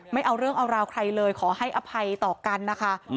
ไม่เอาเรื่องเอาราวใครเลยขอให้อภัยต่อกันนะคะ